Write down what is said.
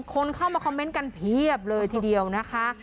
คนเข้ามาคอมเมนต์กันเพียบเลยทีเดียวนะคะ